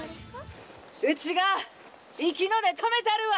うちが息の根止めたるわ！